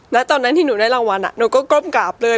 แล้วตอนนั้นที่หนูได้รางวัลหนูก็ก้มกราบเลย